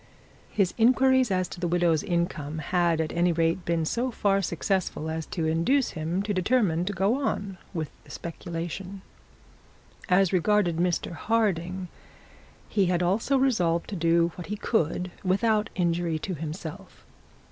His inquiries as to the widow's income had at any rate been so far successful as to induce him to determine to go on with the speculation. As regarded Mr Harding, he had also resolved to do what he could without injury to himself.